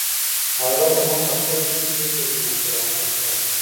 البته ما په خپل ژوند کې یو ځل مینه کړې، هغه هم ستا سره.